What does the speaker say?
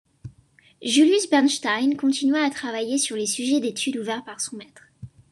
Julius Bernstein continua à travailler sur les sujets d'études ouverts par son maître.